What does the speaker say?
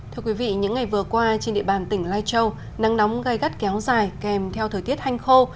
thưa quý vị những ngày vừa qua trên địa bàn tỉnh lai châu nắng nóng gai gắt kéo dài kèm theo thời tiết hanh khô